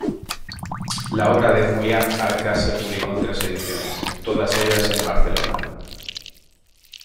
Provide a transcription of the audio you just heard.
La obra de Julián Arcas se publicó en tres ediciones, todas ellas en Barcelona.